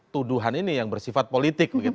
tuduhan ini yang bersifat politik